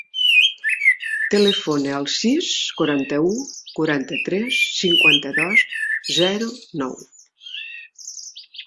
Telefona al sis, quaranta-u, quaranta-tres, cinquanta-dos, zero, nou.